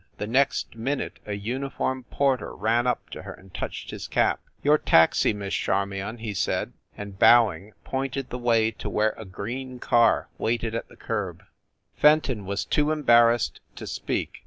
The next min ute a uniformed porter ran up to her and touched his cap. "Your taxi, Miss Charmion/ he said, and, bow ing, pointed the way to where a green car waited at the curb. Fenton was too embarrassed to speak.